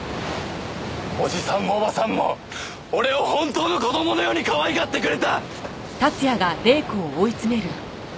おじさんもおばさんも俺を本当の子供のようにかわいがってくれた！